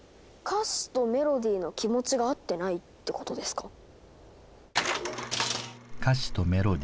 歌詞とメロディーの気持ちが合ってないってことですか？